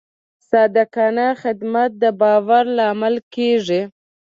صادقانه خدمت د باور لامل کېږي.